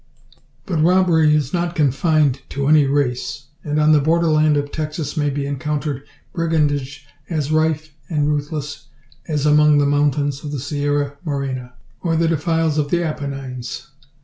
But robbery is not confined to any race; and on the borderland of Texas may be encountered brigandage as rife and ruthless as among the mountains of the Sierra Morena, or the defiles of the Appenines.